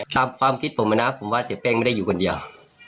ความคิดผมนะผมว่าเสียแป้งไม่ได้อยู่คนเดียว